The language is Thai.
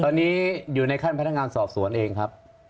ตอนนี้อยู่ในขั้นพนักงานสอบสวนเองครับ